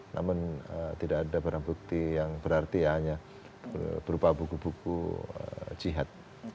namun tidak ada barang bukti yang berarti hanya berupa buku buku jihad